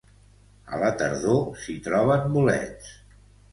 A la tardor s'hi troben bolets.